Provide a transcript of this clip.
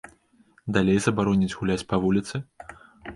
Далей забароняць гуляць па вуліцы?